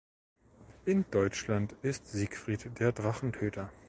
In Deutschland ist Siegfried der Drachentöter.